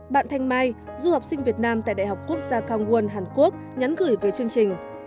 bạn thanh mai du học sinh việt nam tại đại học quốc gia kangwon hàn quốc nhắn gửi về chương trình